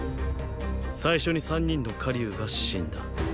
最初に三人の火龍が死んだ。